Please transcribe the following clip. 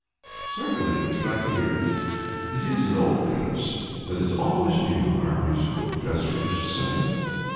'" "Certainly. Would you like to hear it? 'It is an old piece that is always new,' our musical professor used to say."